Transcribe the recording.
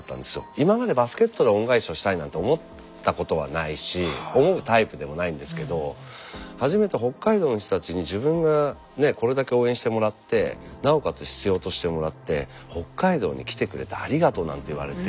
今までバスケットで恩返しをしたいなんて思ったことはないし思うタイプでもないんですけど初めて北海道の人たちに自分がこれだけ応援してもらってなおかつ必要としてもらって「北海道に来てくれてありがとう」なんて言われて。